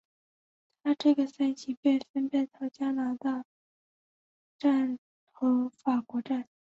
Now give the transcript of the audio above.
她这个赛季被分配到加拿大站和法国站。